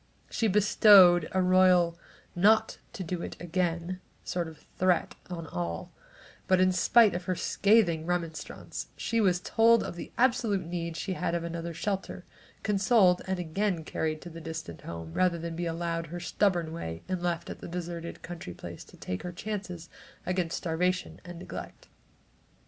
She bestowed a royal "not to do it again" sort of threat on all, but in spite of her scathing remonstrance, she was told of the absolute need she had of another shelter, consoled and again carried to the distant home, rather than be allowed her stubborn way and left at the deserted country place to take her chances against starvation and neglect.